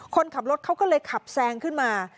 คนขับรถเขาก็เลยขับแซงขึ้นมา